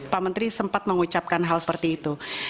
pak menteri sempat mengucapkan hal seperti itu